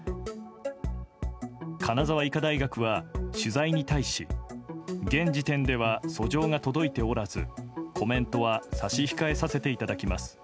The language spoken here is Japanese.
金沢医科大学は取材に対し現時点では訴状が届いておらずコメントは差し控えさせていただきます。